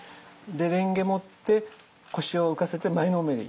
で蓮華持って腰を浮かせて前のめり。